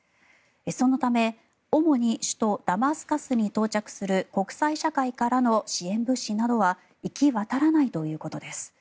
そのため、主に首都ダマスカスに到着する国際社会からの支援物資などは行き渡らないということです。